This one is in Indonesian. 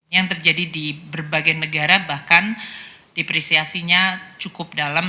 yang terjadi di berbagai negara bahkan depresiasinya cukup dalam